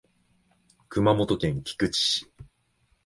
熊本県菊池市